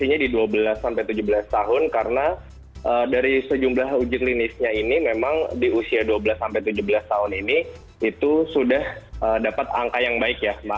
ini di dua belas sampai tujuh belas tahun karena dari sejumlah uji klinisnya ini memang di usia dua belas sampai tujuh belas tahun ini itu sudah dapat angka yang baik ya